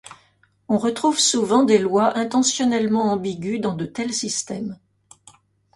On retrouve souvent des lois intentionnellement ambiguës dans de tels systèmes.